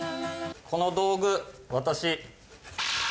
この道具私。